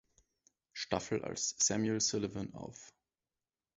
Staffel als Samuel Sullivan auf.